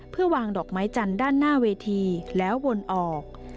เพื่อวางดอกไม้จันทร์ด้านหน้าเวทีแล้ววนออก